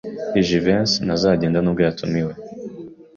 Jivency ntazagenda nubwo yatumiwe.